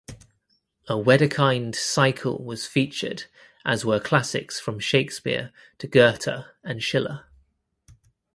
A Wedekind cycle was featured as were classics from Shakespeare to Goethe and Schiller.